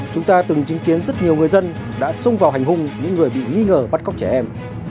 chúng ta từng chứng kiến rất nhiều người dân đã xông vào hành hung những người bị nghi ngờ bắt cóc trẻ em